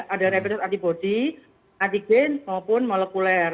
ada repetes antibody anti gain maupun molekuler